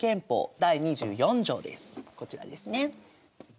こちらですね。